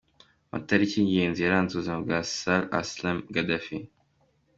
Amatariki y’ingenzi yaranze ubuzima bwa Saif al-Islam Gaddafi.